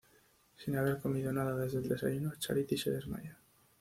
Sin haber comido nada desde el desayuno, Charity se desmaya.